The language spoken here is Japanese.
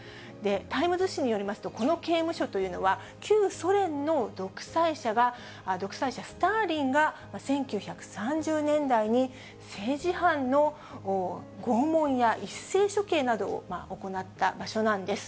タイムズ紙によりますと、この刑務所というのは、旧ソ連の独裁者、スターリンが、１９３０年代に政治犯の拷問や一斉処刑などを行った場所なんです。